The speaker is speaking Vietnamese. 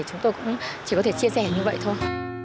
chúng tôi cũng chỉ có thể chia sẻ như vậy thôi